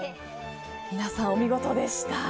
皆さん、お見事でした。